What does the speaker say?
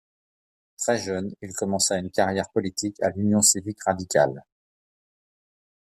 Très jeune, il commença une carrière politique à l'Union civique radicale.